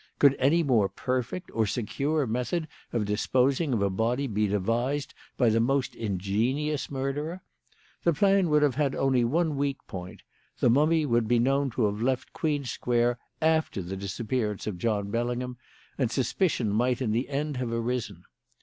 Could any more perfect or secure method of disposing of a body be devised by the most ingenious murderer? The plan would have had only one weak point: the mummy would be known to have left Queen Square after the disappearance of John Bellingham, and suspicion might in the end have arisen.